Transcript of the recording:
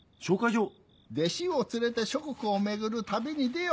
弟子を連れて諸国を巡る旅に出よ。